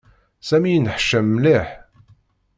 Sami yenneḥcam mliḥ.